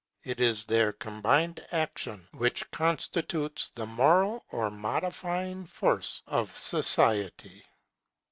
It is their combined action which constitutes the moral or modifying force of society.